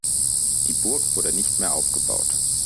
Die Burg wurde nicht mehr aufgebaut.